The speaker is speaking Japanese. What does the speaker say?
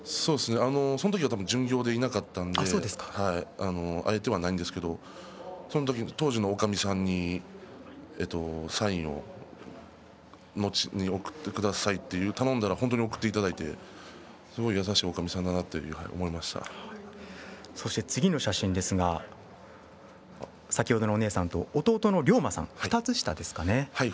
その時は多分巡業でいなかったので会えてはいないんですけれど当時のおかみさんにサインを送ってくださいと頼んだら本当に送っていただいてすごい優しいおかみさんだなって次の写真ですが先ほどのお姉さんと弟の涼馬さん２つ下ですかね。